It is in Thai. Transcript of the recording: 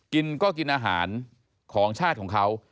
กินก็กินอาหารของชาติของเขา